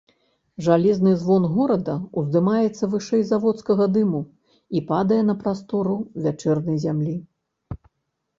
Жалезны звон горада ўздымаецца вышэй заводскага дыму і падае на прастору вячэрняй зямлі.